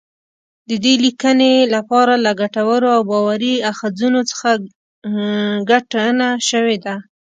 د دې لیکنی لپاره له ګټورو او باوري اخځونو ګټنه شوې ده